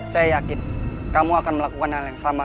saya yakin kamu akan melakukan hal yang sama